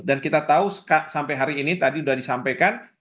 dan kita tahu sampai hari ini tadi sudah disampaikan